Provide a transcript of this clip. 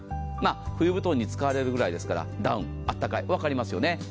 冬布団に使われるぐらいですからダウン、あったかい、分かりますよね。